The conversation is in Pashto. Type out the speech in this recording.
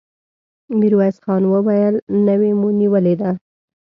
ميرويس خان وويل: نوې مو نيولې ده!